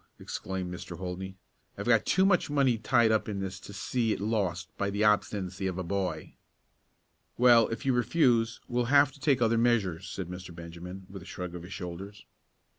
exclaimed Mr. Holdney. "I've got too much money tied up in this to see it lost by the obstinacy of a boy." "Well, if you refuse, we will have to take other measures," said Mr. Benjamin, with a shrug of his shoulders.